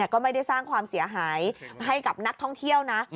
ก็ไม่ได้สร้างความเสียหายให้กับนักท่องเที่ยวนะ